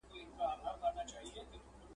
د نیکه وصیت مو خوښ دی که پر لاره به د پلار ځو !.